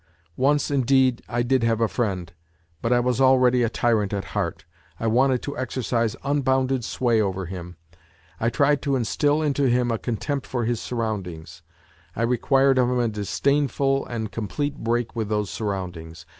Once, indeed, I did have a friend. But I was already a tyrant at heart ; I wanted to exercise un bounded sway over him; I tried to instil into him a contempt for his surroundings ; I required of him a disdainful and complete break with those surroundings.